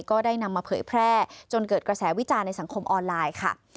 ก็ได้นำมาเผยแพร่จนเกิดกระแสวิจารณ์ในสังคมออนไลน์ค่ะ